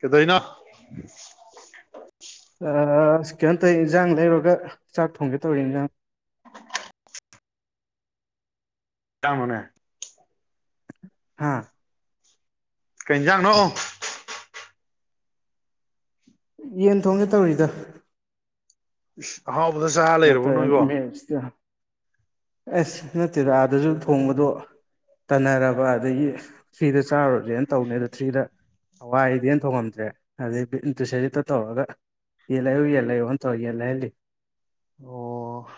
ꯀꯗꯅ ꯑꯁ ꯀꯩꯅꯣꯝ ꯇꯧ ꯏꯟꯖꯥꯡ ꯂꯩꯔꯨꯔꯒ ꯆꯥꯛ ꯊꯣꯡꯒꯦ ꯇꯧꯔꯤ ꯏꯟꯖꯥꯡ [unintelligible] ꯀꯃꯅꯦ ꯍꯥꯥ ꯀꯩꯖꯥꯡꯅꯣ ꯌꯦꯟ ꯊꯣꯡꯁꯦ ꯇꯧꯔꯤꯗ ꯍꯥꯎ ꯑ ꯃ ꯑꯁ ꯅꯠꯇꯦꯗ ꯑꯥꯗꯁꯨ ꯊꯣꯡꯕꯗꯣ ꯇꯅꯔꯕ ꯑꯗꯒꯤ ꯊ꯭ꯔꯤꯗ ꯆꯥꯔꯨꯨꯔꯁꯦꯅ ꯇꯧꯅꯤ ꯑꯗ ꯊ꯭ꯔꯤꯗ ꯍꯋꯥꯏ ꯑꯩꯗꯤ ꯍ ꯊꯣꯡꯉꯝꯗ꯭ꯔꯦ ꯑꯗꯨꯗꯩꯟ ꯇꯨꯁꯔꯤꯇ ꯇꯧꯔꯒ ꯏꯂ ꯏꯦꯂ ꯏ ꯑꯣꯟ ꯇꯣꯦꯂ ꯏꯜꯂꯤ ꯑꯣ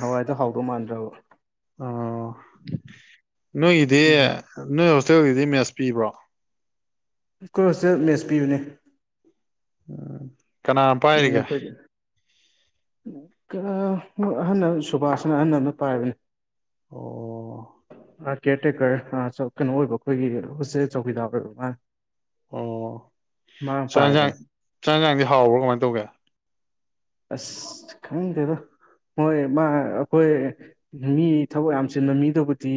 ꯍꯋꯥꯏꯗ ꯍꯥꯎꯗꯧ ꯃꯥꯟꯗ꯭ꯔꯕ ꯑꯣ ꯅꯣꯏꯒꯤꯗꯤ ꯎꯝ ꯅꯣꯏ ꯍꯣꯁꯇꯦꯜꯒꯤꯗꯤ ꯃꯦꯁ ꯄꯤꯕ꯭ꯔꯣ ꯑꯩꯈꯣꯏ ꯍꯖꯤꯦ ꯃꯦꯁ ꯄꯤꯌꯨꯅꯦ ꯀꯅꯥꯅ ꯄꯥꯏꯔꯤꯒꯦ ꯑꯍꯜ ꯁꯨꯕꯥꯁꯅ ꯑꯍꯟꯅ ꯑꯃꯗ ꯄꯥꯏꯕꯅꯤ ꯑꯣ ꯀꯦꯌꯔ ꯇꯦꯀꯔ ꯀꯩꯅꯣ ꯑꯣꯏꯕ ꯑꯩꯈꯣꯏꯒꯤ ꯍꯣꯁꯦ ꯆꯧꯀꯤꯗꯥ ꯑꯣꯏꯕ ꯃꯥ ꯑꯣ ꯆꯔ ꯌꯦꯟꯁꯥꯡ ꯄꯥꯏꯕꯅꯦ ꯆꯔ ꯌꯦꯟꯁꯥꯡꯗꯤ ꯍꯥꯎꯕ꯭ꯔꯥ ꯀꯃꯥꯏꯅ ꯇꯧꯒꯦ ꯑꯁ ꯈꯪꯗꯦꯗ ꯍꯣꯏ ꯃꯥ ꯑꯩꯈꯣꯏ ꯃꯤ ꯊꯕꯛ ꯌꯥꯝ ꯆꯤꯟꯕ ꯃꯤꯗꯨꯕꯨꯗꯤ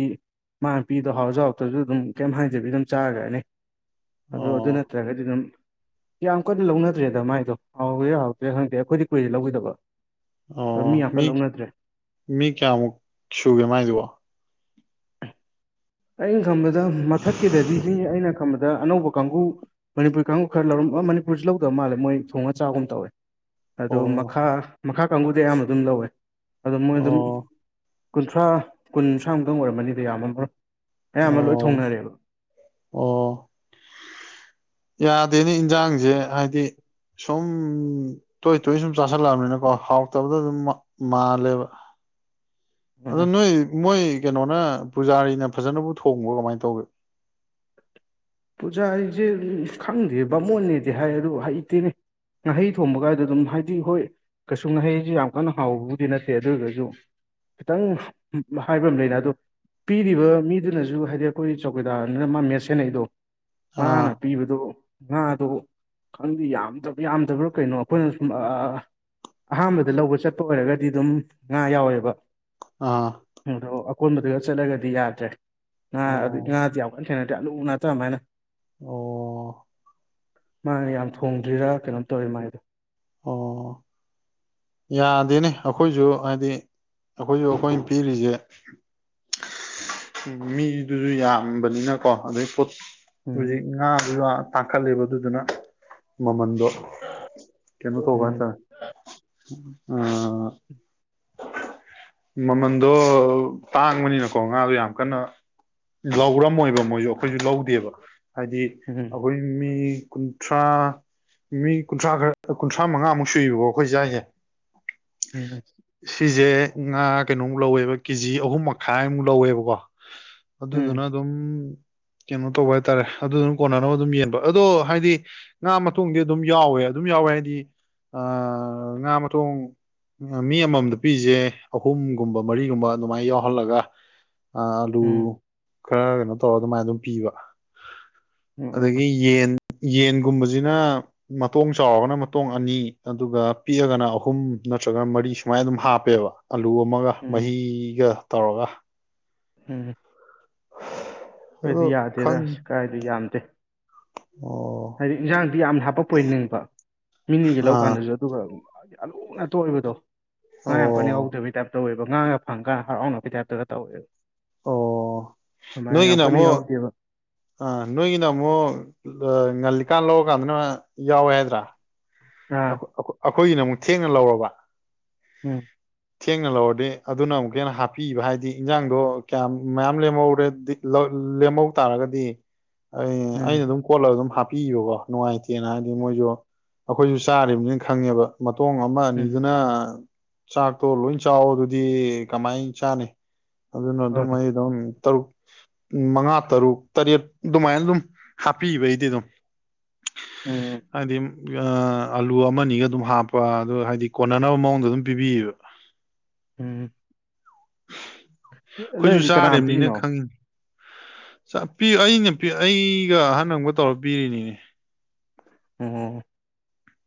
ꯃꯥ ꯅꯨꯄꯤꯗꯣ ꯍꯥꯎꯁꯨ ꯍꯥꯎꯗ꯭ꯔꯁꯨ ꯑꯗꯨꯝ ꯀꯩꯝ ꯍ ꯍꯥꯏꯖꯕꯤ ꯑꯗꯨꯝ ꯆꯥꯈ꯭ꯔꯅꯤ ꯑꯗ ꯑꯗꯨ ꯑꯣ ꯅꯠꯇ꯭ꯔ ꯍꯥꯏꯒ ꯑꯗꯨ ꯅꯝ ꯌꯥꯝꯌꯥꯝ ꯀꯟꯅ ꯂꯧꯅꯗ꯭ꯔꯦꯗ ꯃꯥꯏꯗꯣ ꯍꯥꯎꯦ ꯌꯥꯥꯎꯗ꯭ꯔꯦ ꯈꯪꯗꯦ ꯑꯩꯈꯣꯏꯗꯤ ꯀꯨꯏꯗꯤ ꯂꯧꯧꯕꯈꯤꯗꯕ ꯑꯣ ꯃꯤ ꯃꯤ ꯀꯌꯥꯃꯨꯛ ꯁꯨꯒꯦ ꯃꯥꯏꯁꯤꯕꯣ ꯑꯩꯅ ꯈꯕꯗ ꯃꯊꯛꯀꯤꯗꯗꯤ ꯃꯤ ꯑꯩꯅ ꯈꯕꯗ ꯑꯗ ꯑꯅꯧꯕ ꯀꯥꯡꯒꯕꯨ ꯃꯅꯤꯄꯨꯔꯤ ꯀꯥꯡꯕꯨ ꯈꯔ ꯂꯧꯔꯝꯕ ꯃꯅꯤꯄꯨꯔꯁꯤ ꯂꯧꯗꯕ ꯃꯥꯜꯂꯦ ꯃꯣꯏ ꯊꯣꯡꯉꯒ ꯆꯥꯛꯒꯨꯝ ꯇꯧꯋꯦ ꯑꯗꯨ ꯑꯣ ꯃꯈꯥ ꯃꯈꯥ ꯀꯥꯡꯕꯨꯗꯤ ꯑꯌꯥꯝꯕ ꯑꯗꯨꯝ ꯂꯧꯋꯦ ꯑꯗꯣ ꯃꯣꯏ ꯑꯗꯨꯝ ꯑꯣ ꯀꯨꯟꯊ꯭ꯔꯥ ꯀꯨꯟ ꯁꯟꯁ꯭ꯔꯥꯨꯛꯇꯪ ꯑꯣꯏꯔꯝꯃꯅꯤꯗꯣ ꯌꯥꯝꯃꯔꯣ ꯍ ꯑꯃꯔ ꯂꯣꯏ ꯑꯣ ꯊꯣꯡꯅꯔꯒꯂꯣ ꯑꯣ ꯌꯥꯗꯦꯅꯦ ꯏꯟꯁꯥꯡꯁꯦ ꯍꯥꯏꯗꯤ ꯁꯨꯝ ꯇꯣꯏ ꯇꯣꯏ ꯁꯨꯝ ꯆꯥꯥꯁꯜꯂꯛꯑꯕꯅꯤꯅꯀꯣ ꯍꯥꯎꯇꯕꯗ ꯑꯗꯨꯝ ꯃꯥꯜꯂꯦꯕ ꯑꯗ ꯑ ꯅꯣꯏ ꯃꯣꯏ ꯀꯩꯅꯣꯅ ꯄꯨꯖꯥꯔꯤꯅ ꯐꯖꯅꯕꯨ ꯊꯣꯡꯕ ꯀꯃꯥꯏꯅ ꯇꯧꯋꯤ ꯄꯨꯖꯥ ꯑꯩꯁꯦ ꯈꯪꯗꯦ ꯕꯥꯃꯣꯟꯅꯦꯗꯤ ꯍꯥꯏ ꯑꯗꯨ ꯍꯩꯇꯦꯅꯦ ꯉꯍꯩ ꯊꯣꯡꯕ ꯀꯥꯏꯗ ꯑꯗꯨꯝ ꯍꯥꯏꯗꯤ ꯍꯣꯏ ꯀꯩꯁꯨ ꯉꯍꯩꯁꯨ ꯌꯥꯝ ꯀꯟꯅ ꯍꯥꯎꯕꯕꯨꯗꯤ ꯅꯠꯇꯦ ꯑꯗꯨ ꯑꯣꯏꯔꯒꯁꯨ ꯈꯤꯇꯪ ꯍꯥꯏꯕ ꯑꯃ ꯂꯩꯅ ꯑꯗꯣ ꯄꯤꯔꯤꯕ ꯃꯤꯗꯨꯅꯁꯨ ꯍꯥꯏꯗꯤ ꯑꯩꯈꯣꯏ ꯆꯧꯀꯤꯗꯥꯔꯅꯤꯅ ꯃꯥ ꯃꯦꯠ ꯁꯦꯟꯅꯩꯗꯣ ꯃꯥꯅ ꯑꯥ ꯄꯤꯕꯗꯣ ꯉꯥꯗꯨ ꯈꯪꯗꯦ ꯌꯥꯝꯗ ꯌꯥꯝꯗꯕ꯭ꯔꯥ ꯀꯩꯅꯣ ꯑꯩꯈꯣꯏꯅ ꯁꯨꯝ ꯑꯍꯥꯟꯕꯗ ꯂꯧꯕ ꯆꯠꯄ ꯑꯣꯏꯔꯒꯗꯤ ꯑꯗꯨꯝ ꯉꯥ ꯌꯥꯎꯋꯦꯕ ꯑꯥ ꯑꯗꯣ ꯑꯀꯣꯟꯕꯗꯨꯒ ꯆꯠꯂꯒꯗꯤ ꯌꯥꯗ꯭ꯔꯦ ꯉꯥ ꯑꯣ ꯉꯥꯗꯤ ꯌꯥꯝ ꯀꯟ ꯈꯦꯅ ꯇ ꯎꯅ ꯇ ꯑꯃꯥꯏꯅ ꯑꯣ ꯃꯥꯅꯦ ꯌꯥꯝ ꯊꯣꯡꯗ꯭ꯔꯤꯔꯥ ꯀꯩꯅꯣꯝ ꯇꯧꯋꯤ ꯃꯥꯏꯗꯣ ꯑꯣ ꯌꯥꯗꯦꯅꯦ ꯑꯩꯈꯣꯏꯁꯨ ꯍꯥꯏꯗꯤ ꯑꯩꯈꯣꯏꯁꯨ ꯑꯩꯈꯣꯏꯅ ꯄꯤꯔꯤꯁꯦ ꯎꯝ ꯃꯤꯗꯨꯁꯨ ꯌꯥꯝꯕꯅꯤꯅꯀꯣ ꯑꯗꯨꯩ ꯄꯣꯠ ꯍꯧꯖꯤꯛ ꯎꯝ ꯉꯥꯗꯨ ꯇꯥꯡꯈꯠꯂꯦꯕ ꯑꯗꯨꯗꯨꯅ ꯃꯃꯜ ꯣ ꯀꯩꯅꯣ ꯎꯝ ꯇꯧꯕꯠꯇ ꯑ ꯃꯃꯟꯗꯣ ꯇꯥꯡꯕꯅꯤꯅꯀꯣ ꯉꯥꯗꯣ ꯌꯥꯝ ꯀꯟꯅ ꯂꯧꯔꯝꯃꯣꯏꯕ ꯃꯣꯏꯁꯨ ꯑꯩꯈꯣꯏꯁꯨ ꯂꯧꯗꯦꯕ ꯍꯥꯏꯗꯤ ꯎꯝ ꯑꯩꯈꯣꯏ ꯃꯤ ꯀꯨꯟꯊ꯭ꯔꯥ ꯃꯤ ꯀꯨꯟꯊ꯭ꯔꯥ ꯈꯔ ꯀꯨꯟꯊ꯭ꯔꯥ ꯃꯉꯥꯃꯨꯛ ꯁꯨꯏꯕꯀꯣ ꯑꯩꯈꯣꯏ ꯖꯏꯁꯦ ꯎꯝꯝ ꯁꯤꯁꯦ ꯉꯥ ꯀꯩꯅꯣꯃꯨꯛ ꯂꯧꯋꯦꯕ ꯀꯦꯖꯤ ꯑꯍꯨꯝ ꯃꯈꯥꯏꯃꯨꯛ ꯂꯧꯋꯦꯕꯀꯣ ꯑꯗꯨꯗꯨꯅ ꯎꯝ ꯑꯗꯨꯝ ꯀꯩꯅꯣ ꯇꯧꯕ ꯍꯥꯏꯇꯥꯔꯦ ꯑꯗꯨꯗꯨꯅ ꯀꯣꯟꯅꯅꯕ ꯑꯗꯨꯝ ꯌꯦꯟꯕ ꯑꯗꯣ ꯍꯥꯏꯗꯤ ꯉꯥ ꯃꯇꯨꯡꯗꯤ ꯑꯗꯨꯝ ꯌꯥꯎꯋꯦ ꯑꯗꯨꯝ ꯌꯥꯎꯋꯦ ꯍꯥꯏꯗꯤ ꯑ ꯉꯥ ꯃꯊꯣꯡ ꯃꯤ ꯑꯃꯃꯝꯗ ꯄꯤꯁꯦ ꯑꯍꯨꯝꯒꯨꯝꯕ ꯃꯔꯤꯒꯨꯝꯕ ꯑꯗꯨꯃꯥꯏꯅ ꯌꯥꯎꯍꯜꯂꯒ ꯑ ꯑꯂꯨ ꯎꯝ ꯈꯔ ꯀꯩꯅꯣ ꯇꯧꯔꯒ ꯑꯗꯨꯃꯥꯏꯅ ꯑꯗꯨꯝ ꯄꯤꯕ ꯎꯝ ꯑꯗꯒꯤ ꯌꯦꯟ ꯌꯦꯟꯒꯨꯝꯕꯁꯤꯅ ꯃꯇꯣꯡ ꯆꯥꯎꯕꯅ ꯃꯇꯣꯡ ꯑꯅꯤ ꯑꯗꯨꯒ ꯄꯤꯛꯑꯒꯅ ꯑꯍꯨꯝ ꯅꯠꯇ꯭ꯔꯒꯅ ꯃꯔꯤ ꯁꯨꯃꯥꯏꯅ ꯑꯗꯨꯝ ꯍꯥꯞꯄꯦꯕ ꯑꯂꯨ ꯑꯃꯒ ꯎꯝ ꯃꯍꯤꯒ ꯇꯧꯔꯒ ꯎꯝ ꯑꯗꯣ ꯑꯩꯣꯏꯗꯤ ꯌꯥꯗꯦꯗ ꯈꯪ ꯑꯁ ꯀꯥꯏꯗ ꯌꯥꯝꯗꯦ ꯑꯣ ꯍꯥꯏꯗꯤ ꯏꯟꯁꯥꯡꯗꯤ ꯌꯥꯝꯅ ꯍꯥꯄꯛꯄ ꯑꯣꯏꯅꯤꯡꯕ ꯃꯤꯅꯤꯒꯤ ꯑꯥ ꯂꯧꯀꯥꯟꯗꯁꯨ ꯑꯗꯨꯒ ꯑꯂꯨꯅ ꯇꯣꯛꯏꯕꯗꯣ ꯉꯥꯏ ꯑꯣ ꯌꯥꯝꯨ ꯀꯅꯤ ꯍꯧꯗꯕꯩ ꯇꯥꯏꯞ ꯇꯧꯋꯦꯕ ꯉꯥꯡꯉꯒ ꯐꯪꯒꯥꯟ ꯍꯔꯥꯎꯅꯄꯤ ꯇꯥꯏꯞꯇꯒ ꯇꯧꯋꯦꯕ ꯑꯣ ꯑꯗꯨꯃꯥꯏꯅ ꯌꯥꯝ ꯅꯣꯏꯒꯤꯅ ꯀꯅꯤ ꯑꯃꯨꯛ ꯍꯥꯎꯗꯤꯦꯕ ꯑꯥ ꯅꯣꯏꯒꯤꯅ ꯑꯃꯨꯛ ꯉꯜꯂꯤꯀꯥꯟ ꯂꯔꯀꯥꯟꯗꯅ ꯌꯥꯎꯋꯦ ꯍꯥꯏꯗ꯭ꯔꯥ ꯑꯥ ꯑꯩꯈꯣꯏꯒꯤꯅ ꯑꯃꯨꯛ ꯊꯦꯡꯅ ꯂꯧꯔꯕ ꯎꯝ ꯊꯦꯡꯅ ꯂꯧꯔꯗꯤ ꯑꯗꯨꯅ ꯑꯃꯨꯛꯀ ꯍꯦꯟꯅ ꯍꯥꯞꯄꯤꯕ ꯍꯥꯏꯗꯤ ꯏꯟꯖꯥꯡꯗꯣ ꯀꯌꯥꯝ ꯃꯌꯥꯝ ꯂꯦꯝꯍꯧꯔꯦ ꯂꯦꯝꯍꯧ ꯇꯥꯔꯒꯗꯤ ꯑꯩ ꯑꯩꯅ ꯎꯝ ꯑꯗꯨꯝ ꯀꯣꯠꯂꯒ ꯑꯗꯨꯝ ꯍꯥꯞꯄꯤꯕꯣꯀꯣ ꯅꯨꯡꯉꯥꯏꯇꯦꯅ ꯍꯥꯏꯗꯤ ꯃꯣꯏꯁꯨ ꯑꯩꯈꯣꯏꯁꯨ ꯆꯥꯔꯤꯕꯅꯤꯅ ꯈꯪꯉꯦꯕ ꯃꯇꯣꯡ ꯑꯃ ꯎꯝ ꯑꯅꯤꯗꯨꯅ ꯆꯥꯛꯇꯣ ꯂꯣꯏ ꯆꯥꯛꯑꯣ ꯑꯗꯨꯗꯤ ꯀꯃꯥꯏꯅ ꯆꯥꯅꯤ ꯑꯗꯨꯅ ꯑꯗꯨꯝ ꯍꯣꯏ ꯑꯩ ꯑꯗꯨꯝ ꯇꯔꯨꯛ ꯃꯉꯥ ꯇꯔꯨꯛ ꯇꯔꯦꯠ ꯑꯗꯨꯃꯥꯏꯅ ꯑꯗꯨꯝ ꯍꯥꯞꯄꯤꯕꯩꯗꯤ ꯑꯗꯨꯝ ꯎꯝ ꯍꯥꯏꯗꯤꯝ ꯑꯂꯨ ꯑꯃꯅꯤꯅꯤꯒ ꯑꯗꯨꯝ ꯍꯥꯞꯄ ꯑꯗꯨ ꯍꯥꯏꯗꯤ ꯀꯣꯟꯅꯅꯕ ꯃꯑꯣꯡꯗ ꯑꯗꯨꯝ ꯄꯤꯕꯤꯌꯦꯕ ꯎꯝ ꯑꯩꯈꯣꯏꯁꯨ ꯅꯣꯏꯗꯤ ꯀꯅꯥꯅ ꯆꯥꯅꯤꯅ ꯄꯤꯔꯤꯅꯣ ꯈꯪꯉꯤ ꯑꯩꯅ ꯑꯩꯒ ꯑꯍꯟꯒ ꯇꯧꯔ ꯄꯤꯔꯤꯅꯤꯅꯦ ꯑꯣ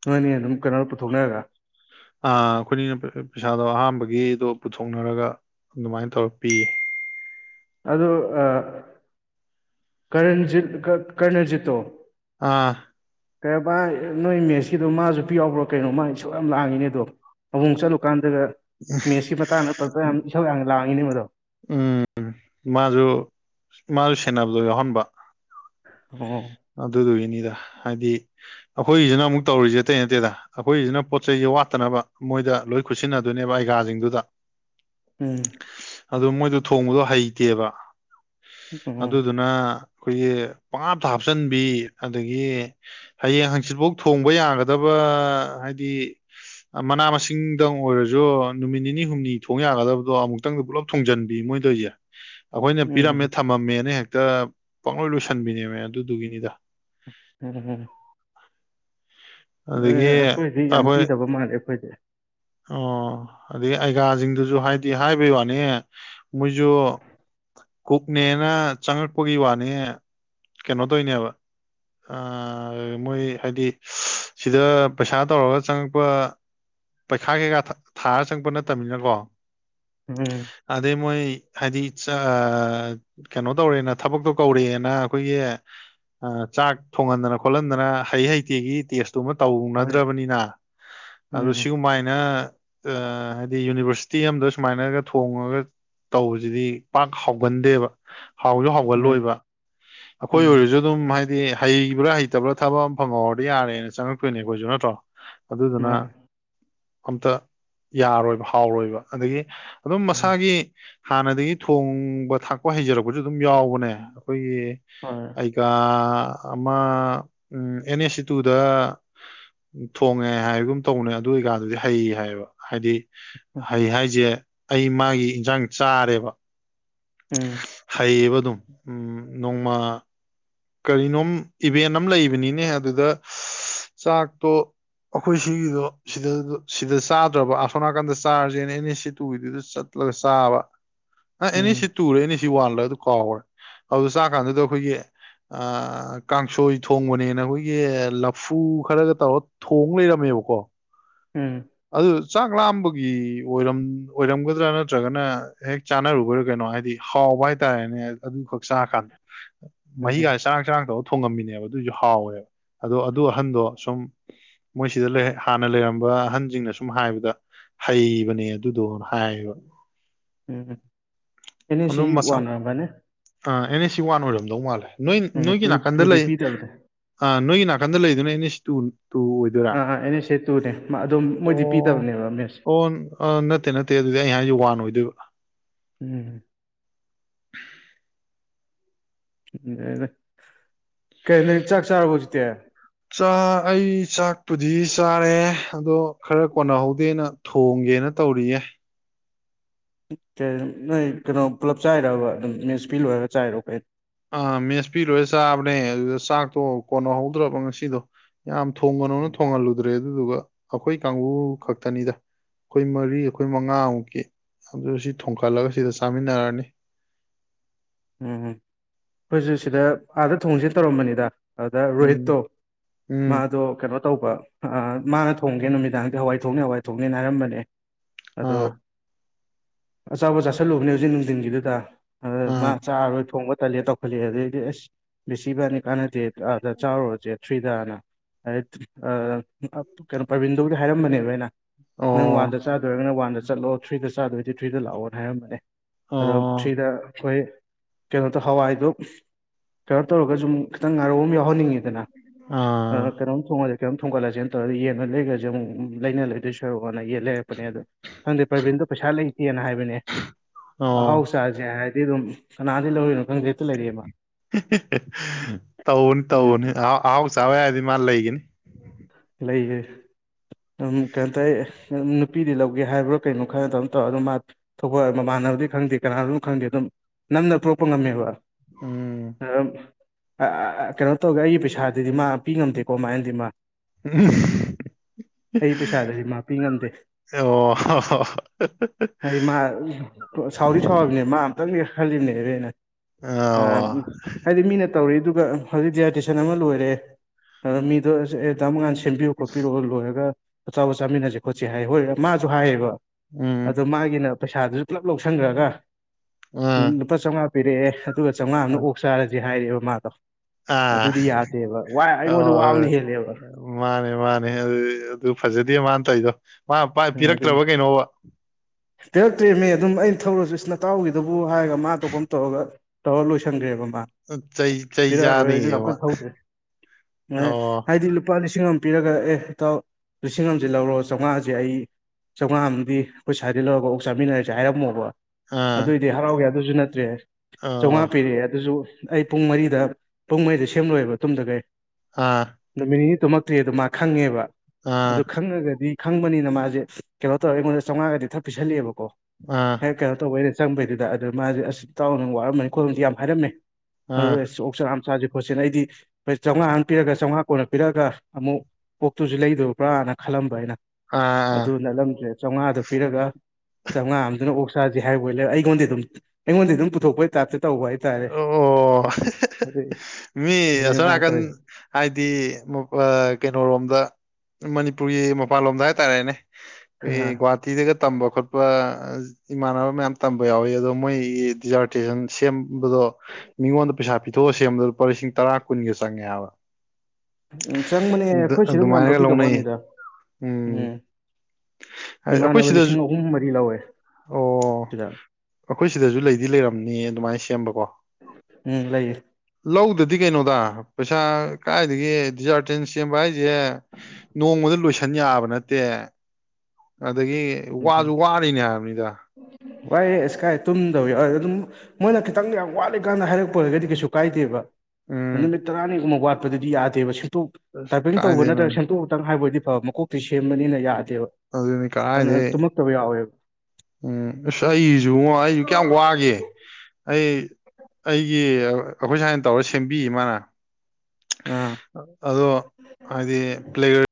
ꯅꯣꯏꯅꯦ ꯑꯗꯨꯝ ꯀꯩꯅꯣ ꯄꯨꯊꯣꯛꯅꯔꯒ ꯑ ꯑꯩꯈꯣꯏꯅꯤꯅ ꯄꯩꯁꯥꯗꯣ ꯑꯍꯥꯥꯟꯕꯒꯤꯗꯣ ꯄꯨꯊꯣꯛꯅꯔꯒ ꯑꯗꯨꯃꯥꯏꯅ ꯇꯧꯔ ꯄꯤꯌꯦ ꯑꯗꯨ ꯀꯔꯟꯖꯤꯠ ꯀꯔꯅꯖꯤꯠꯇꯣ ꯑꯥ ꯀꯕꯥ ꯅꯣꯏ ꯃꯦꯁꯀꯤꯗꯣ ꯃꯥꯁꯨ ꯄꯤ ꯌꯥꯎꯕ꯭ꯔꯣ ꯀꯩꯅꯣ ꯃꯥ ꯁꯨꯡꯛ ꯌꯥꯝ ꯂꯥꯡꯉꯤꯅꯦꯗꯣ ꯑꯃꯨꯨꯡꯛ ꯆꯠꯂꯨꯀꯥꯟꯗ ꯑꯗꯨꯒ ꯃꯦꯠꯁꯀꯤ ꯃꯇꯥꯡꯗ ꯄ ꯌꯥꯝ ꯏꯁꯥꯎ ꯌꯥꯝ ꯂꯥꯡꯉꯤꯅꯦ ꯃꯗꯣ ꯃꯥꯁꯨ ꯃꯥꯁꯨ ꯁꯦꯟꯅꯕꯗꯣ ꯌꯥꯎꯍꯟꯕ ꯑꯣ ꯑꯗꯨꯗꯨꯒꯤꯅꯤꯗ ꯍꯥꯏꯗꯤ ꯑꯩꯈꯣꯏꯒꯤꯁꯤꯅ ꯑꯃꯨꯛ ꯇꯧꯔꯤꯁꯦ ꯑꯇꯩ ꯅꯠꯇꯇꯩꯗ ꯑꯩꯈꯣꯏꯒꯤꯁꯤꯅ ꯄꯣꯠ ꯆꯩ ꯋꯥꯠꯇꯅꯕ ꯃꯣꯏꯗ ꯂꯣꯏ ꯈꯨꯠꯁꯤꯟꯅꯗꯣꯏꯅꯦꯕ ꯑꯩꯒꯥꯁꯤꯡꯗꯨꯗ ꯎꯝ ꯑꯗꯨ ꯃꯣꯏꯗꯣ ꯊꯣꯡꯕꯗꯣ ꯍꯩꯇꯦꯕ ꯎꯝ ꯑꯗꯨꯗꯨꯅ ꯑꯩꯈꯣꯏꯒꯤ ꯄꯥ ꯊ ꯍꯥꯞꯆꯟꯕꯤ ꯑꯗꯒꯤ ꯍꯌꯦꯡ ꯍꯪꯆꯤꯠꯐꯥꯎ ꯊꯣꯡꯕ ꯌꯥꯒꯗꯕ ꯍꯥꯏꯗꯤ ꯃꯅꯥ ꯃꯁꯤꯡꯗꯪ ꯑꯣꯏꯔꯁꯨ ꯅꯨꯃꯤꯠ ꯅꯤꯅꯤ ꯍꯨꯝꯅꯤ ꯊꯣꯡ ꯌꯥꯒꯗꯕꯗꯣ ꯑꯃꯨꯛꯇꯪꯗ ꯄꯨꯂꯞ ꯊꯣꯡꯖꯤꯟꯕꯤ ꯃꯣꯏꯗꯣꯏꯁꯦ ꯑꯩꯈꯣꯏꯅ ꯄꯤꯔꯝꯃꯦ ꯎꯝ ꯊꯝꯃꯝꯃꯦꯅ ꯍꯦꯛꯇ ꯄꯪꯂꯣꯏ ꯂꯣꯏꯁꯟꯕꯤꯅꯦꯕ ꯑꯗꯨꯗꯨꯒꯤꯅꯤꯗ ꯍꯝ ꯍꯝ ꯑꯦ ꯑꯗꯒꯤ ꯑꯩꯈꯣꯏꯗꯤ ꯌꯥꯝ ꯑꯩꯈꯣꯏ ꯄꯤꯗꯕ ꯃꯥꯜꯂꯦ ꯑꯩꯈꯣꯏꯁꯦ ꯑꯣ ꯑꯗꯨꯗꯩ ꯑꯒꯥꯁꯤꯡꯗꯨꯁꯨ ꯍꯥꯏꯗꯤ ꯍꯥꯏꯕꯩ ꯋꯥꯅꯤ ꯃꯣꯏꯁꯨ ꯀꯛꯅꯦꯅ ꯆꯪꯉꯛꯄꯒꯤ ꯋꯥꯅꯦ ꯀꯩꯅꯣ ꯇꯣꯏꯅꯦꯕ ꯃꯣꯏ ꯍꯥꯏꯗꯤ ꯁꯤꯗ ꯄꯩꯁꯥ ꯇꯧꯔꯒ ꯆꯪꯉꯛꯄ ꯄꯩꯈꯥ ꯀꯩꯀꯥ ꯊꯥꯔ ꯆꯪꯄ ꯅꯠꯇꯕꯅꯤꯅꯀꯣ ꯎꯝ ꯑꯗꯩ ꯃꯣꯏ ꯍꯥꯏꯗꯤ ꯀꯩꯅꯣ ꯇꯧꯔꯦꯅ ꯊꯕꯛꯇꯣ ꯀꯧꯔꯦꯅ ꯑꯩꯈꯣꯏꯒꯤ ꯆꯥꯛ ꯊꯣꯡꯍꯟꯗꯅ ꯈꯣꯠꯍꯟꯗꯅ ꯍꯩ ꯍꯩꯇꯦꯒꯤ ꯇꯦꯁ ꯑꯗꯨꯃ ꯍꯣꯏ ꯇꯧꯅꯗ꯭ꯔꯕꯅꯤꯅ ꯑꯗꯨ ꯎꯝ ꯁꯤꯒꯨꯝꯃꯥꯏꯅ ꯑ ꯍꯥꯏꯗꯤ ꯌꯨꯅꯤꯚꯔꯁꯤꯇꯤ ꯑꯝꯗ ꯁꯨꯃꯥꯏꯅꯒ ꯊꯣꯡꯉꯒ ꯇꯧꯕꯁꯤꯗꯤ ꯄꯥꯛ ꯍꯥꯎꯒꯟꯗꯦꯕ ꯍꯥꯎꯁꯨ ꯍꯣꯏ ꯍꯥꯎꯒꯜꯂꯣꯏꯕ ꯑꯩꯈꯣꯏ ꯎꯝ ꯑꯣꯏꯔꯁꯨ ꯑꯗꯨꯝ ꯍꯥꯏ ꯗꯤ ꯍꯩꯕ꯭ꯔꯥ ꯍꯩꯇꯕ꯭ꯔꯥ ꯊꯕꯛ ꯑꯃ ꯐꯪꯍꯧꯔꯗꯤ ꯌꯥꯔꯦꯅ ꯆꯪꯉꯛꯇꯣꯏꯅꯦ ꯑꯩꯈꯣꯏꯁꯨ ꯅꯠꯇ꯭ꯔꯣ ꯑꯗꯨꯗꯨꯅ ꯃꯥ ꯑꯝꯇ ꯌꯥꯔꯣꯏꯕ ꯍꯥꯎꯔꯣꯏꯕ ꯑꯗꯒꯤ ꯑꯗꯨꯝ ꯎꯝ ꯃꯁꯥꯒꯤ ꯍꯥꯟꯅꯗꯒꯤ ꯊꯣꯡꯕ ꯊꯥꯛꯄ ꯍꯩꯖꯔꯛꯄꯁꯨ ꯑꯗꯨꯝ ꯌꯥꯎꯕꯅꯦ ꯑꯩꯈꯣꯏꯒꯤ ꯍꯣꯏ ꯑꯩꯒ ꯑꯃ ꯎꯝ ꯑꯦꯟ ꯑꯦꯁ ꯁꯤ ꯇꯨꯗ ꯊꯣꯡꯉꯦ ꯍꯥꯏꯕꯒꯨꯝ ꯇꯧꯅꯦ ꯑꯗꯨ ꯑꯣꯏꯀꯥꯟꯗꯨꯗꯤ ꯍꯩ ꯍꯥꯏꯌꯦꯕ ꯍꯥꯏꯗꯤ ꯍꯩ ꯍꯥꯏꯁꯦ ꯑꯩ ꯃꯥꯒꯤ ꯏꯟꯁꯥꯡ ꯆꯥꯔꯦꯕ ꯎꯝ ꯂꯩꯌꯦꯕ ꯑꯗꯨꯝ ꯎꯝ ꯅꯣꯡꯃ ꯀꯔꯤꯅꯣꯝ ꯏꯚꯦꯟ ꯑꯃ ꯂꯩꯕꯅꯤꯅꯦ ꯑꯗꯨꯗ ꯆꯥꯛꯇꯣ ꯑꯩꯈꯣꯏ ꯁꯤꯒꯤꯗꯣ ꯁꯤꯗ ꯁꯤꯗ ꯆꯥꯗ꯭ꯔꯕ ꯑꯁꯣꯝ ꯅꯥꯀꯟꯗ ꯆꯥꯔꯁꯅ ꯑꯦꯟ ꯑꯦꯁ ꯁꯤ ꯇꯨꯒꯤꯗꯨ ꯆ ꯁꯥꯥꯕ ꯎꯝ ꯑꯦꯅꯤꯁꯤ ꯇꯨꯔꯦ ꯑꯦꯅꯤꯁꯤ ꯋꯥꯟꯂ ꯑꯗꯨ ꯀꯥꯎꯈꯧꯔꯦ ꯀꯥꯎꯗ ꯆꯥꯛ ꯀꯥꯟꯗꯨꯗ ꯑꯩꯈꯣꯏꯒꯤ ꯑ ꯀꯥꯡꯁꯣꯏ ꯊꯣꯡꯕꯅꯦꯅ ꯑꯩꯈꯣꯏꯒꯤ ꯂꯐꯨ ꯈꯔꯒ ꯇꯧꯔ ꯊꯣꯡ ꯂꯩꯔꯝꯃꯦꯕꯀꯣ ꯎꯝ ꯑꯗꯨ ꯆꯥ ꯀꯂꯥꯝꯕ ꯑꯣꯏꯔꯝꯒꯗ꯭ꯔꯥ ꯅꯠꯇ꯭ꯔꯒꯅ ꯍꯦꯛ ꯆꯥꯟꯅꯔꯨꯕ꯭ꯔꯥ ꯀꯩꯅꯣ ꯍꯥꯏꯗꯤ ꯍꯥꯎꯕ ꯍꯥꯏꯇꯥꯔꯦꯅꯦ ꯑꯗꯨꯈꯛ ꯆꯥꯉꯀꯥꯟꯗ ꯎꯝꯝ ꯆꯥꯡ ꯆꯔꯥꯡ ꯇꯧꯒ ꯊꯣꯡꯉꯝꯃꯤꯅꯦꯕ ꯑꯗꯨꯏꯁꯨ ꯍꯥꯎꯋꯦꯕ ꯑꯗꯣ ꯑꯗꯨ ꯑꯍꯟꯗꯣ ꯁꯨꯝ ꯃꯣꯏꯁꯤꯗ ꯍꯥꯟꯅ ꯂꯩꯔꯝꯕ ꯑꯍꯟꯁꯤꯡꯅ ꯁꯨꯝ ꯍꯥꯏꯕꯗ ꯍꯩꯕꯅꯦ ꯑꯗꯨꯗꯣ ꯍꯥꯏꯕ ꯎꯝ ꯑꯦꯟ ꯑꯦꯁ ꯁꯤ ꯋꯥ ꯑꯣꯏꯔꯝꯕꯅꯦ ꯑꯥ ꯑꯦꯟ ꯑꯦꯁ ꯁꯤ ꯋꯥꯟ ꯑꯣꯏꯔꯝꯗꯧ ꯃꯥꯜꯂꯦ ꯅꯣꯏ ꯎꯝ ꯅꯣꯏꯒꯤ ꯇꯨ ꯅꯥꯀꯟꯗ ꯇꯨꯗꯤ ꯂꯩ ꯄꯤꯗꯕꯅꯦ ꯑ ꯅꯣꯏꯒꯤ ꯅꯥꯀꯟꯗ ꯂꯩꯗꯅ ꯑꯦꯟ ꯑꯦ ꯏꯁ ꯇꯨ ꯇꯨ ꯑꯣꯏꯗꯣꯏꯔꯥ ꯑꯥ ꯑꯦꯟ ꯑꯦꯁ ꯑꯦ ꯇꯨꯅꯦ ꯑꯗꯨꯝ ꯃꯣꯏꯗꯤ ꯑꯣ ꯄꯤꯗꯕꯅꯦꯕ ꯃꯦꯠꯁ ꯑꯣ ꯑ ꯅꯠꯇꯦ ꯅꯠꯇꯦ ꯑꯗꯨꯗꯤ ꯑꯩ ꯍꯥꯏꯁꯁꯤꯦ ꯋꯥꯟ ꯑꯣꯏꯗꯣꯏꯕ ꯎꯝ ꯀꯩꯅ ꯆꯥꯛ ꯆꯥꯔꯕ ꯍꯧꯖꯤꯛꯇꯤ ꯥ ꯑꯩ ꯆꯥꯛꯄꯨꯗꯤ ꯆꯥꯔꯦ ꯑꯗꯣ ꯈꯔ ꯀꯣꯟꯅꯍꯧꯗꯦꯅ ꯊꯣꯡꯒꯦꯅ ꯇꯧꯔꯤꯌꯦ ꯀ ꯅꯣꯏ ꯀꯩꯅꯣ ꯄꯨꯂꯞ ꯆꯥꯏꯔꯕ ꯑꯗꯨꯝ ꯃꯤꯁꯄꯤꯤ ꯂꯣꯏꯔꯒ ꯆꯥꯏꯔꯣ ꯑꯩ ꯑꯥ ꯃꯦꯁꯄꯤꯔꯣꯏ ꯆꯥꯕꯅꯦ ꯑꯗꯨꯗ ꯆꯥꯛꯇꯣ ꯀꯣꯟꯅꯧꯍꯧꯗ꯭ꯔꯕ ꯉꯁꯤꯗꯣ ꯌꯥꯝ ꯊꯣꯡꯒꯅꯣꯅ ꯊꯣꯡꯍꯜꯂꯨꯗ꯭ꯔꯦ ꯑꯗꯨꯗꯨꯒ ꯑꯩꯈꯣꯏ ꯀꯥꯡꯕꯨ ꯈꯛꯇꯅꯤꯗ ꯑꯩꯈꯣꯏ ꯃꯔꯤ ꯑꯩꯈꯣꯏ ꯃꯉꯥꯃꯨꯛꯀꯤ ꯑꯗꯨ ꯁꯤ ꯊꯣꯡꯒꯠꯂꯒ ꯁꯤꯗ ꯆꯥꯃꯤꯟꯅꯔꯅꯤ [unintelligible] ꯎꯝ ꯑꯩꯈꯣꯏꯁꯨ ꯁꯤꯗ ꯑꯥꯗ ꯊꯣꯡꯁꯦ ꯇꯧꯔꯝꯕꯅꯤꯗ ꯑꯗꯨꯗ ꯎꯝ ꯔꯣꯍꯤꯠꯇꯣ ꯎꯝ ꯃꯥꯗꯣ ꯀꯩꯅꯣ ꯇꯧꯕ ꯃꯥꯅ ꯊꯣꯡꯒꯦ ꯅꯨꯃꯤꯗꯥꯡꯗꯤ ꯍꯋꯥꯏ ꯊꯣꯡꯅꯦꯦ ꯍꯋꯥꯏ ꯊꯣꯡꯒꯦꯅ ꯍꯥꯏꯔꯝꯕꯅꯦ ꯑꯗꯣ ꯑꯥ ꯑꯆꯕ ꯆꯥꯁꯤꯜꯂꯨꯕꯅꯦ ꯍꯧꯖꯤꯛ ꯅꯨꯡꯊꯤꯟꯒꯤꯗꯨꯗ ꯃꯥ ꯑꯥ ꯆꯥꯔꯣꯏ ꯊꯣꯡꯕ ꯇꯜꯂꯦ ꯇꯧꯈꯠꯂꯛꯑꯦ ꯑꯗꯨꯗꯩꯗꯤ ꯑꯁ ꯕꯦꯁꯤ ꯐꯅꯤ ꯀꯥꯟꯅꯗꯦ ꯑꯥꯗ ꯆꯥꯔꯨꯔꯁꯦ ꯐ꯭ꯔꯤꯗꯥꯅ ꯑꯗ ꯀꯩꯅꯣ ꯄꯔꯕꯤꯟꯗꯨꯕꯨꯗꯤ ꯍꯥꯏꯔꯝꯕꯅꯦꯕ ꯑꯩꯅ ꯅꯪ ꯑꯣ ꯋꯥꯟꯗ ꯆꯥꯗꯣꯏꯔꯒ ꯅꯪ ꯋꯥꯟꯗ ꯆꯠꯂꯣ ꯊ꯭ꯔꯤꯗ ꯆꯥꯗꯣꯏꯗꯤ ꯊ꯭ꯔꯤꯗ ꯂꯥꯛꯑꯣꯅ ꯍꯥꯏꯔꯝꯕꯅꯦ ꯑꯗꯣ ꯑꯣ ꯁꯤ꯭ꯗ ꯑꯩꯈꯣꯏ ꯀꯩꯅꯣꯗꯣ ꯍꯋꯥꯏꯗꯣ ꯀꯩꯅꯣ ꯇꯧꯔꯒ ꯁꯨꯝ ꯈꯤꯇꯪ ꯉꯥꯏꯔꯧ ꯑꯃ ꯌꯥꯎꯍꯟꯅꯤꯡꯉꯤ ꯑꯗꯨꯅ ꯑꯥ ꯀꯩꯅꯣꯝ ꯊꯣꯡꯉꯁꯦ ꯀꯩꯅꯣꯝ ꯊꯣꯡꯒꯠꯂꯁꯦꯅ ꯇꯧꯔ ꯌꯦꯟꯅ ꯂꯩꯈ꯭ꯔꯁꯦ ꯑꯃꯨꯛ ꯂꯩꯅ ꯂꯩꯗꯣꯏ ꯁꯔꯨ ꯍꯅ ꯌꯦꯟ ꯂꯩꯔꯛꯄꯅꯦ ꯑꯗ ꯁꯟꯗꯦ ꯄ꯭ꯔꯕꯤꯟꯗꯣ ꯄꯩꯁꯥ ꯂꯩꯇꯦꯅ ꯍꯥꯏꯕꯅꯦ ꯑꯣ ꯑꯍꯥꯎ ꯆꯥꯁꯦ ꯍꯥꯏꯔꯗꯤ ꯑꯗꯨꯝ ꯀꯅꯥꯗꯤ ꯂꯧꯔꯤꯅꯣ ꯈꯪꯗꯦꯛꯇ ꯂꯩꯔꯤꯕ ꯇꯧꯅꯤ ꯇꯧꯅꯤ ꯑꯗꯨꯝ ꯑ ꯑꯍꯥꯎ ꯆꯥꯕ ꯌꯥꯔꯗꯤ ꯃꯥ ꯂꯩꯒꯅꯤ ꯂꯩꯒꯦ ꯀꯩꯅꯣ ꯇꯧꯋ ꯅꯨꯄꯤꯗꯤ ꯂꯧꯒꯦ ꯍꯥꯏꯕ꯭ꯔꯥ ꯀꯩꯅꯣ ꯈꯔꯅ ꯇꯧ ꯇꯧꯔꯒ ꯑꯗꯨ ꯃꯥ ꯊꯣꯛꯑꯦ ꯃꯃ ꯀꯥꯟꯅꯕꯗꯤ ꯈꯪꯗꯦ ꯀꯅꯥꯅ ꯈꯪꯗꯦ ꯑꯗꯨꯝ ꯅꯝꯅ ꯄꯔꯛꯄ ꯉꯝꯃꯦꯕ ꯎꯝ ꯀꯩꯅꯣ ꯇꯧꯒꯦ ꯑꯩꯒꯤ ꯄꯩꯁꯥꯗꯨꯗꯤ ꯃꯥ ꯄꯤ ꯉꯝꯗꯦꯀꯣ ꯀꯃꯥꯏꯅꯗꯤ ꯃꯥ ꯎꯝ ꯑꯩ ꯄꯩꯁꯥꯗꯗꯤ ꯃꯥ ꯄ ꯉꯝꯗꯦ ꯑꯣ ꯍꯥꯏꯗꯤ ꯃꯥ ꯁꯥꯎꯔꯤ ꯁꯥꯎꯔꯕꯅꯦ ꯃꯥ ꯑꯝꯇꯪ ꯈꯜꯂꯤꯕꯅꯦꯔꯦꯩꯅ ꯑꯣ ꯍꯥꯏꯗꯤ ꯃꯤꯅ ꯇꯧꯔꯤꯗꯨ ꯑꯗꯨꯒ ꯍꯧꯖꯤꯛꯇ ꯤꯌꯥꯔ ꯇꯨꯁꯟ ꯑꯃ ꯂꯣꯏꯔꯦ ꯃꯤꯗꯣ ꯇꯃꯥꯟ ꯁꯦꯝꯕꯤꯔꯣ ꯈꯣꯠꯄꯤꯔꯣ ꯂꯣꯏꯔꯒ ꯑꯆꯥꯕ ꯆꯥꯃꯤꯟꯅꯁꯦ ꯈꯣꯠꯁꯦ ꯍꯥꯏ ꯍꯣꯏ ꯃꯥꯁꯨ ꯍꯥꯏꯌꯦꯕ ꯎꯝ ꯑꯗ ꯃꯥꯒꯤꯅ ꯄꯩꯁꯥꯗꯨꯁꯨ ꯄꯨꯂꯞ ꯂꯧꯁꯟꯈ꯭ꯔꯒ ꯑꯥ ꯎꯝ ꯂꯨꯄꯥ ꯆꯥꯃꯉꯥ ꯄꯤꯔꯛꯑꯦ ꯑꯗꯨꯒ ꯆꯥꯝꯃꯉꯥ ꯑꯃꯅ ꯑꯣꯛ ꯆꯥꯔꯁꯦ ꯍꯥꯏꯔꯦꯕ ꯃꯥꯗꯣ ꯑꯥ ꯑꯗꯨꯗꯤ ꯌꯥꯗꯦꯕ ꯋꯥ ꯑ ꯑꯩꯉꯣꯟꯗ ꯋꯥꯅ ꯍꯦꯜꯂꯦꯕ ꯃꯥꯅꯦ ꯃꯥꯅꯦ ꯑꯗꯨ ꯑꯗꯨ ꯐꯖꯗꯦ ꯃꯥꯅ ꯇ ꯑꯩꯗꯣ ꯃꯥ ꯑꯗꯨꯅꯤ ꯄꯤꯔꯛꯇ꯭ꯔꯕ ꯀꯩꯅꯣꯕ ꯄꯤꯔꯛꯇ꯭ꯔꯦꯃꯦ ꯑꯗꯨꯝ ꯑꯩꯅ ꯊꯧꯔꯁꯨ ꯏꯁꯅ ꯇꯥꯎꯈꯤꯗꯕꯨ ꯍꯥꯏꯔꯒ ꯃꯥ ꯑꯇꯣꯞꯄ ꯑꯃ ꯇꯧꯔꯒ ꯇꯧꯔꯒ ꯂꯣꯏꯁꯟꯈ꯭ꯔꯦꯕ ꯆꯩ ꯆꯩ ꯄꯤꯔꯛꯑꯔꯣꯏꯔꯁꯨ ꯆꯥꯅꯤꯌꯦ ꯌꯥꯝ ꯃꯥ ꯀꯟ ꯊꯧꯗ꯭ꯔꯦ ꯑꯣ ꯍꯥꯏꯗꯤ ꯂꯨꯄꯥ ꯂꯤꯁꯤꯡ ꯑꯃ ꯄꯤꯔꯒ ꯑꯦ ꯏꯇꯥꯎ ꯂꯤꯁꯤꯡ ꯑꯃꯦ ꯂꯧꯔꯣ ꯆꯥꯝꯉꯥꯥꯁ ꯦ ꯑꯩ ꯆꯥꯝꯃꯉꯥ ꯑꯃꯗꯤ ꯑꯩꯈꯣꯏ ꯁ꯭ꯋꯥꯗꯩ ꯂꯧꯔꯒ ꯑꯣꯛ ꯆꯥꯃꯤꯟꯅꯔꯁꯦ ꯍꯥꯏꯔꯝꯃꯣꯕ ꯑꯥ ꯑꯗꯨꯏꯗꯤ ꯍꯔꯥꯎꯒꯦ ꯑꯗꯨꯁꯨ ꯅꯠꯇ꯭ꯔꯦ ꯆꯥꯝꯃꯉꯥ ꯑꯣ ꯄꯤꯔꯛꯑꯦ ꯑꯗꯨꯁꯨ ꯑꯩ ꯄꯨꯡ ꯃꯔꯤꯗ ꯄꯨꯡ ꯃꯔꯤꯗ ꯁꯦꯝꯂꯣꯏꯕ ꯇꯨꯝꯗꯈꯩ ꯑꯥ ꯅꯨꯃꯤꯠ ꯅꯤꯅꯤ ꯇꯃ ꯠꯇꯦ ꯑꯗꯨ ꯃꯥ ꯈꯪꯉꯦꯕ ꯑꯥ ꯑꯗꯨ ꯈꯪꯉꯒꯗꯤ ꯈꯪꯕꯅꯤꯅ ꯃꯥꯁꯦ ꯀꯩꯅꯣ ꯇꯧꯔꯒ ꯑꯩꯉꯣꯟꯗ ꯆꯥꯝꯃꯉꯥꯒꯗꯤꯊꯔ ꯄꯤꯁꯜꯂꯛꯦꯕꯀꯣ ꯑꯥ ꯍꯦꯛ ꯀꯩꯅꯣ ꯇꯧꯕꯩꯅꯁ ꯆꯪꯕꯩꯗꯨꯗ ꯑꯗꯨ ꯃꯥꯁꯦ ꯑꯁ ꯏꯇꯥꯎ ꯅꯪ ꯋꯥꯔꯝꯃꯅꯤ ꯈꯣꯠꯂꯗꯤ ꯌꯥꯝ ꯍꯥꯏꯔꯝꯃꯦ ꯑꯥ ꯑꯗꯨꯣꯛ ꯆꯔ ꯈꯣꯠꯁꯤꯅ ꯑꯩꯗꯤ ꯆꯧ ꯉꯥꯃ ꯄꯤꯔꯒꯥ ꯆꯧ ꯉꯃꯥ ꯀꯣꯟꯅ ꯄꯤꯔꯛꯑꯒ ꯑꯃꯨꯛ ꯄꯣꯛꯇꯨꯁꯨ ꯂꯩꯗꯣꯕ꯭ꯔꯥꯅ ꯈꯜꯂꯝꯕ ꯑꯩꯅ ꯑꯥ ꯑꯗꯨ ꯅꯠꯂꯝꯗ꯭ꯔꯦ ꯆꯥꯝꯃꯉꯥꯗ ꯄꯤꯔꯒ ꯆꯥꯝꯃꯉꯥ ꯑꯃꯝꯅ ꯑꯣꯛꯁꯥꯁꯦ ꯍꯥꯏꯕ ꯂꯩꯔꯦ ꯑꯩꯉꯣꯟꯗꯤ ꯑꯗꯨꯝ ꯑꯩꯉꯣꯟꯗꯤ ꯑꯗꯨꯝ ꯄꯨꯊꯣꯛꯄꯩ ꯇꯥꯞꯇ ꯇꯧꯕ ꯍꯥꯏꯇꯥꯔꯦ ꯑꯣ ꯑꯗꯨ ꯃꯤ ꯑꯁꯣꯝ ꯃꯥ ꯅꯥꯀꯟ ꯇꯧꯋꯤ ꯍꯥꯏꯗꯤꯨꯛ ꯀꯩꯅꯣꯔꯣꯝꯗ ꯃꯅꯤꯄꯨꯔꯒꯤ ꯃꯄꯥꯟꯂꯣꯝꯗ ꯍꯥꯏꯇꯥꯔꯦꯅꯦ ꯑꯩꯈꯣꯏꯒꯤ ꯑ ꯒꯨꯍꯥꯇꯤꯗꯒ ꯇꯝꯕ ꯈꯣꯠꯄ ꯏꯃꯥꯟꯅꯕ ꯃꯌꯥꯝ ꯇꯝꯕ ꯌꯥꯎꯋꯤ ꯑꯗꯣ ꯃꯣꯏꯒꯤ ꯗꯤꯖꯥꯔꯇꯦꯁꯟ ꯁꯦꯝꯕꯗꯣ ꯃꯤꯉꯣꯟꯗ ꯄꯩꯁꯥ ꯄꯤꯊꯣꯛꯑ ꯁꯦꯝꯕꯗ ꯂꯨꯄꯥ ꯂꯤꯁꯤꯡ ꯇꯔꯥ ꯀꯨꯟꯒ ꯆꯪꯉꯦ ꯍꯥꯏꯕ ꯎꯝ ꯆꯪꯕꯅꯦ ꯑꯩꯈꯣꯏ ꯁꯤꯗ ꯃꯌꯥꯝ ꯑꯗꯨꯃꯥꯏꯅꯒ ꯂꯧꯕꯤꯗꯕ ꯂꯧꯅꯩ ꯋꯥꯅꯤꯗ ꯎꯝ ꯍꯥꯏꯗꯤ ꯑꯩꯈꯣꯏ ꯏꯃꯥꯟꯅꯕ ꯁꯤꯗ ꯂꯤꯁꯤꯡ ꯑꯍꯨꯝ ꯃꯔꯤ ꯂꯧꯋꯦ ꯑꯣ ꯁꯤꯗ ꯑꯩꯈꯣꯏ ꯁꯤꯗꯁꯨ ꯂꯩꯗꯤ ꯂꯩꯔꯝꯅꯤ ꯑꯗꯨꯃꯥꯏꯅ ꯁꯦꯝꯕꯀꯣ ꯎꯝ ꯂꯩꯌꯦ ꯂꯧꯗꯗꯤ ꯀꯩꯅꯣꯗ ꯄꯩꯁꯥ ꯀꯥꯏꯗꯒꯤ ꯗꯤꯖꯥꯔꯇꯦꯟ ꯁꯦꯝꯕ ꯍꯥꯏꯁꯦ ꯅꯣꯡꯃꯗ ꯂꯣꯏꯁꯟ ꯌꯥꯕ ꯅꯠꯇꯦ ꯑꯗꯒꯤ ꯋꯥꯁꯨ ꯋꯥꯔꯤꯅꯦ ꯍꯥꯏꯕꯅꯤꯗ ꯋꯥꯏ ꯑꯁ ꯀꯥꯏ ꯇꯨꯝꯗꯧ ꯌꯥ ꯑꯗꯨꯝ ꯃꯣꯏꯅ ꯈꯤꯇꯪ ꯌꯥꯝ ꯋꯥꯠꯂꯤꯀꯥꯟꯅ ꯍꯥꯏꯔꯛꯄ ꯑꯣꯏꯒꯗꯤ ꯀꯩꯁꯨ ꯀꯥꯏꯗꯦꯕ ꯎꯝ ꯅꯨꯃꯤꯠ ꯇꯔꯥꯅꯤꯒꯨꯝꯕ ꯋꯥꯠꯄꯗꯨꯗꯤ ꯌꯥꯗꯦꯕ ꯁꯦꯡꯇꯣꯛ ꯇꯥꯏꯄꯤꯡ ꯇꯧꯕ ꯀꯥꯏꯗꯩꯅꯣ ꯅꯠꯇ꯭ꯔꯒ ꯁꯦꯡꯇꯣꯛ ꯑꯃꯇꯪ ꯍꯥꯏꯕꯗꯤ ꯃꯀꯣꯛꯇꯤ ꯁꯦꯝꯕꯅꯤꯅ ꯌꯥꯗꯦ ꯑꯗꯨ ꯑꯗꯨꯅꯤ ꯀ ꯀꯥꯏꯗꯩꯩ ꯌꯥꯎꯋꯦꯕ ꯎꯝ ꯑꯁ ꯑꯩꯁꯨ ꯑꯩꯁꯨ ꯀꯌꯥꯝ ꯋꯥꯒꯦ ꯑꯩ ꯑꯩꯒꯤ ꯑꯩꯈꯣꯏ ꯁꯨꯃꯥꯏꯅ ꯇꯧꯔ ꯁꯦꯝꯕꯤ ꯃꯥꯅ ꯑꯥ ꯑꯗꯣ ꯍꯥꯏꯗꯤ ꯄ꯭ꯂꯦꯔ